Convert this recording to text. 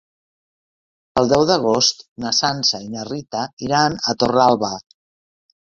El deu d'agost na Sança i na Rita iran a Torralba.